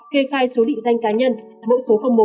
kê khai số định viện cấp thẻ nhà báo cấp thẻ nhà báo